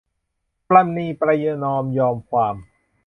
ประนีประนอมยอมความ